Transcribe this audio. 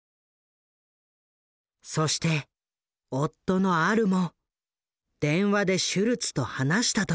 そして夫のアルも電話でシュルツと話したという。